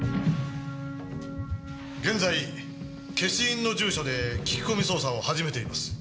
現在消印の住所で聞き込み捜査を始めています。